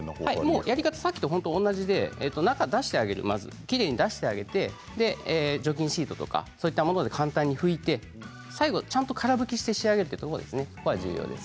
さっきと同じで中をきれいに出してあげて除菌シートとかそういったもので簡単に拭いて最後、ちゃんとから拭きして仕上げるということが重要です。